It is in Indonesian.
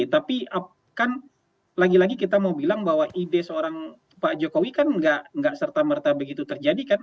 tapi kan lagi lagi kita mau bilang bahwa ide seorang pak jokowi kan gak serta merta begitu terjadi kan